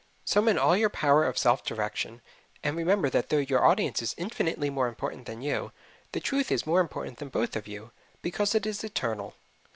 Summon all your power of self direction, and remember that though your audience is infinitely more important than you, the truth is more important than both of you, because it is eternal.